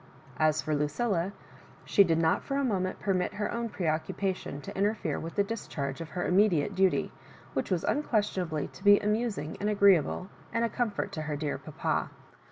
As for Lucilla, she did not for a moment permit her own pre occnpation to inter fere with the discharge of her immediate duty, which was unquestionably to be amusing apd agreeable, and a comfort to her dear papa.